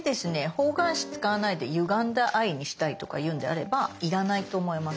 方眼紙使わないでゆがんだ「Ｉ」にしたいとかいうんであれば要らないと思います。